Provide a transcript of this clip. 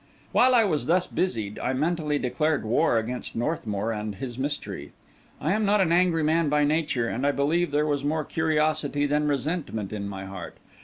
While I was thus busied, I mentally declared war against Northmour and his mystery. I am not an angry man by nature, and I believe there was more curiosity than resentment in my heart.